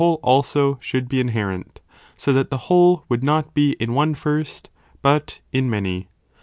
499 also should be inherent, so that the whole would not be in one first, but in many.'